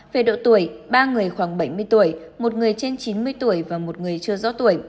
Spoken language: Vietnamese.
về độ tuổi ba người khoảng bảy mươi tuổi một người trên chín mươi tuổi và một người chưa rõ tuổi